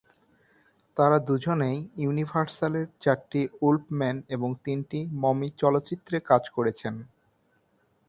তারা দুজনেই ইউনিভার্সালের চারটি উলফ ম্যান এবং তিনটি মমি চলচ্চিত্রে কাজ করেছেন।